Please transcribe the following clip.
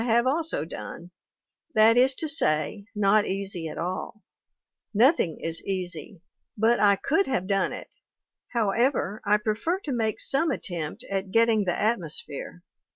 WATTS 185 have also done that is to say, not easy at all ; nothing is easy but I could have done it. However, I prefer to make some attempt at getting the atmosphere.